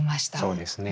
そうですね。